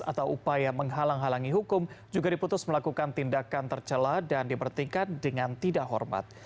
atau upaya menghalang halangi hukum juga diputus melakukan tindakan tercela dan dipertingkat dengan tidak hormat